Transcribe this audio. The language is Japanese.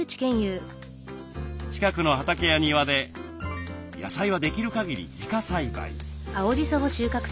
近くの畑や庭で野菜はできるかぎり自家栽培。